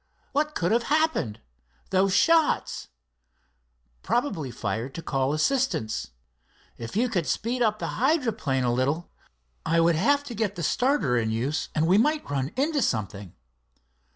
"What could have happened? Those shots?" "Probably fired to call assistance." "If you could speed up the hydroplane a little " "I would have to get the starter in use, and we might run into something.